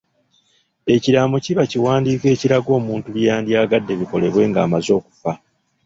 Ekiraamo kiba kiwandiiko ekiraga omuntu bye yandyagadde bikolebwe ng'amaze okufa.